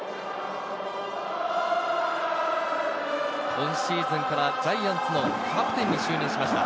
今シーズンからジャイアンツのキャプテンに就任しました。